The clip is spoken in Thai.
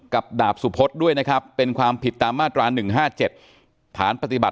เขาก็ตอนนั้นเขามีอยู่นะครับเขาก็มีอยู่นะ